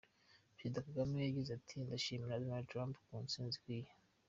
Perezida Kagame yagize ati “Ndashimira Donald Trump ku ntsinzi ikwiye.